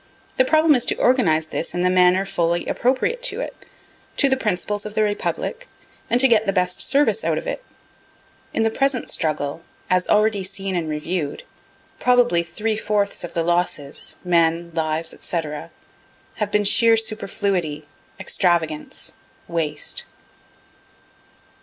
The problem is to organize this in the manner fully appropriate to it, to the principles of the republic, and to get the best service out of it. In the present struggle, as already seen and review'd, probably three fourths of the losses, men, lives, &c., have been sheer superfluity, extravagance, waste.